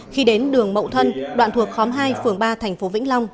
khi đến đường mậu thân đoạn thuộc khóm hai phường ba thành phố vĩnh long